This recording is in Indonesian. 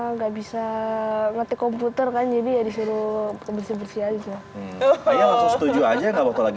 nggak bisa ngerti komputer kan jadi ya disuruh bersih bersih aja setuju aja nggak waktu lagi